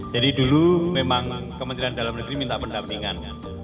jadi dulu memang kementerian dalam negeri minta pendampingan